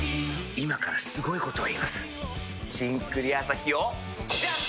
今からすごいこと言います「新・クリアアサヒ」をジャン！